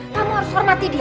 kamu harus hormati dia